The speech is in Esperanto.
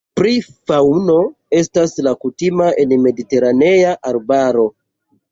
Pri faŭno estas la kutima en mediteranea arbaro.